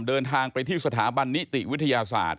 เดินทางไปที่สถาบันนิติวิทยาศาสตร์